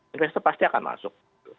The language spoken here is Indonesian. investor pasti akan masuk